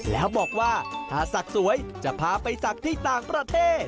แล้วบอกว่าถ้าศักดิ์สวยจะพาไปศักดิ์ที่ต่างประเทศ